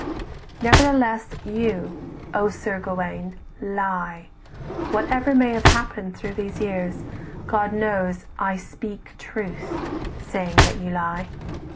"Nevertheless you, O Sir Gauwaine, lie, Whatever may have happened through these years, God knows I speak truth, saying that you lie."